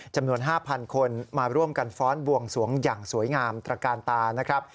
จำนวน๕๐๐คนมาร่วมกันฟ้อนบวงสวงอย่างสวยงามตระกาลตานะครับ